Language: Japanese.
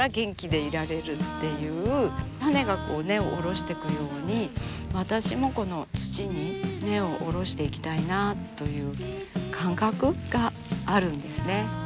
種がこう根を下ろしていくように私もこの土に根を下ろしていきたいなあという感覚があるんですね。